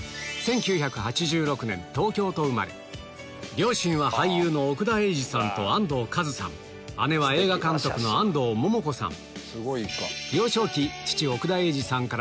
両親は俳優の奥田瑛二さんと安藤和津さん姉は映画監督の安藤桃子さん